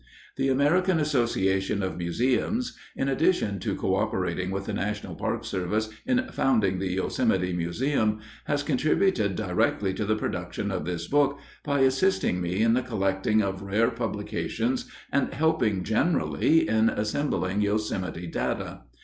The American Association of Museums, in addition to coöperating with the National Park Service in founding the Yosemite Museum, has contributed directly to the production of this book by assisting me in the collecting of rare publications and helping, generally, in assembling Yosemite data.